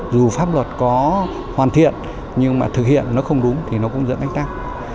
nếu pháp luật có hoàn thiện nhưng mà thực hiện nó không đúng thì nó cũng diễn ra áp tác